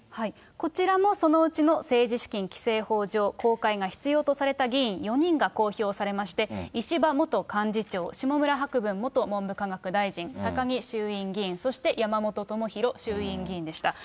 こちらもそのうちの政治資金規正法上、公開が必要とされた議員４人が公表されまして、石破元幹事長、下村博文元文部科学大臣、高木衆院議員、そして山本朋広衆院議員でした。